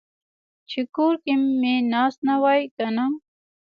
چې کور کې مې ناست نه وای کنه.